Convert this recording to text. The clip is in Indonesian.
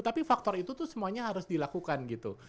tapi faktor itu tuh semuanya harus dilakukan gitu